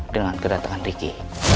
dengan kedatangan riki